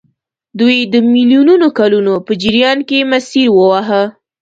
دوی د میلیونونو کلونو په جریان کې مسیر وواهه.